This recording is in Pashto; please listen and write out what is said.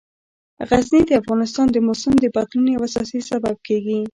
غزني د افغانستان د موسم د بدلون یو اساسي سبب کېږي.